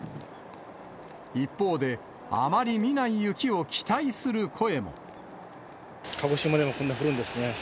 一方で、あまり見ない雪を期鹿児島でもこんな降るんですね。